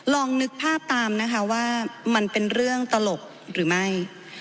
ลองนึกภาพตามนะคะว่ามันเป็นเรื่องตลกหรือไม่